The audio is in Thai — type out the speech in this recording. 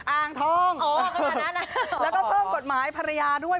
อ่างทองแล้วก็เพิ่มกฎหมายภรรยาด้วย